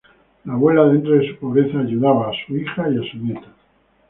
La abuela, dentro de su pobreza, ayudaba a su hija y a su nieta.